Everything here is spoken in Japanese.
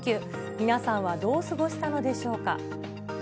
皆さんはどう過ごしたのでしょうか。